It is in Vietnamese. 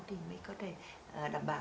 thì mới có thể đảm bảo